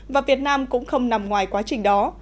và việt nam cũng không nằm ngoài quá trình đó